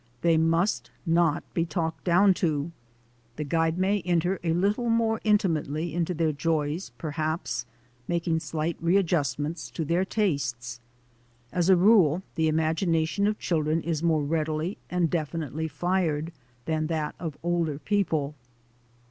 They must not be talked down to. The guide may enter a little more intimately into their joys, perhaps, making slight re adjustments to their tastes. As a rule, the imagination of children is more readily and definitely fired than that of older people.